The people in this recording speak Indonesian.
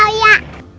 pagi pak uya